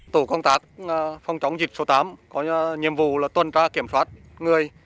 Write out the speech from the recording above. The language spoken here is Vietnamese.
tổ công tác phòng chống dịch số tám có nhiệm vụ là tuần tra kiểm soát người